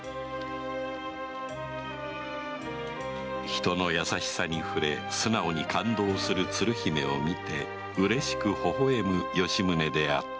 人の優しさに触れ素直に感動する鶴姫を見て嬉しく微笑む吉宗であった